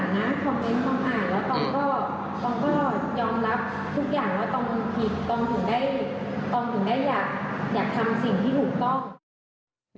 ต้องถึงได้อยากทำสิ่งที่ถูกก้อง